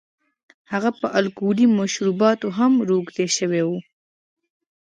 هغه په الکولي مشروباتو هم روږدی شوی و.